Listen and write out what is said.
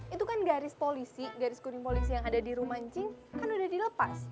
itu kan garis polisi garis kuning polisi yang ada di rumahncing kan udah dilepas